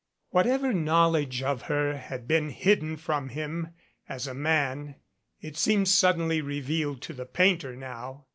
Whatever knowledge of her had been hidden from him as a man, it seemed suddenly revealed to the painter now.